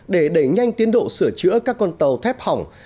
để đẩy nhanh tiến độ sửa chữa các con tàu thép hỏng